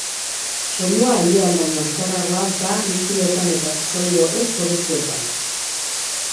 Soinua airean baino azkarragoa da likidoetan eta solido ez-porotsuetan.